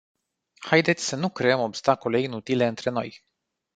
Haideți să nu creăm obstacole inutile între noi.